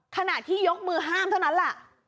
ขณะที่ยกมือห้ามเท่านั้นแหละ